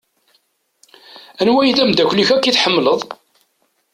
Anwa i d-amdakel-ik akk i tḥemmleḍ?